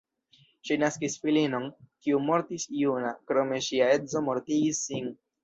Ŝi naskis filinon, kiu mortis juna, krome ŝia edzo mortigis sin.